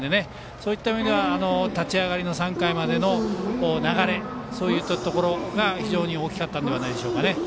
そういった意味では立ち上がりの３回までの流れそういったところが大きかったのではないでしょうか。